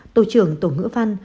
tổ trưởng tổ ngữ văn